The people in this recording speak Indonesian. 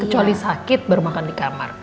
kecuali sakit baru makan di kamar